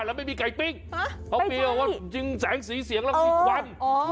แล้วไม่มีไก่ปิ้งเพราะว่าจึงแสงศรีเสียงแล้วมีควัน